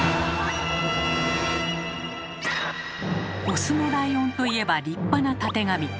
オスのライオンといえば立派なたてがみ。